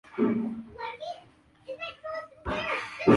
anaona maono mengine yana mbana inambidi aahirishe mambo baadhi ya mambo kama